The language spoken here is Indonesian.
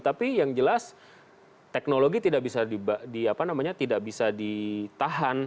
tapi yang jelas teknologi tidak bisa di apa namanya tidak bisa ditahan